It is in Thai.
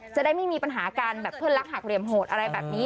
จะได้ไม่มีปัญหาการแบบเพื่อนรักหักเหลี่ยมโหดอะไรแบบนี้